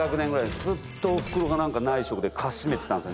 ずっとおふくろが何か内職でかしめてたんですよ